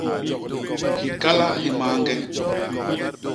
Hikala hi mañge.